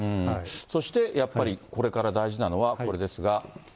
そして、やっぱりこれから大事なのは、これですが。